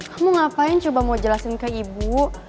kamu ngapain coba mau jelasin ke ibu